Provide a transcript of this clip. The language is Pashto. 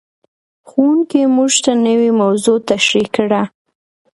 ښوونکی موږ ته نوې موضوع تشریح کړه.